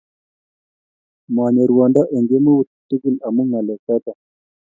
manyor rwondo eng' kemeut tugul amun ngalek choton